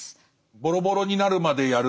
ボロボロになるまでやる。